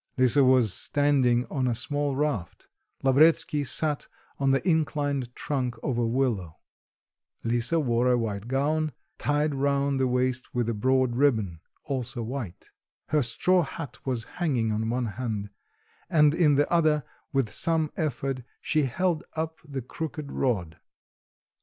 Lisa was standing on a small raft; Lavretsky sat on the inclined trunk of a willow; Lisa wore a white gown, tied round the waist with a broad ribbon, also white; her straw hat was hanging on one hand, and in the other with some effort she held up the crooked rod.